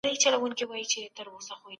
ستا د ښايست صفت بې هرچاته کاوونه